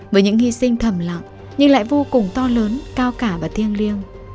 với những hy sinh thầm lặng nhưng lại vô cùng to lớn cao cả và thiêng liêng